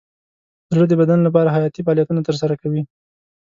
زړه د بدن لپاره حیاتي فعالیتونه ترسره کوي.